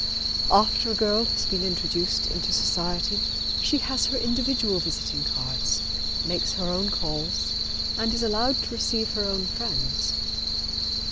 After a girl has been introduced into society she has her individual visiting cards, makes her own calls and is allowed to receive her own friends.